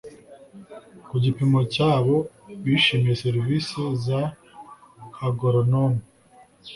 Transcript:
ku gipimo cya ko bishimiye serivisi za agoronome